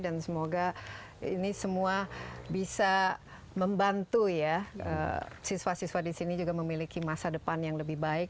dan semoga ini semua bisa membantu ya siswa siswa di sini juga memiliki masa depan yang lebih baik